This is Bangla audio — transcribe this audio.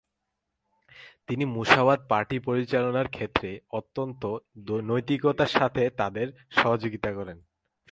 তিনি মুসাভাত পার্টি পরিচালনার ক্ষেত্রে অত্যন্ত নৈতিকতার সাথে তাদের সহযোগীতা করেন।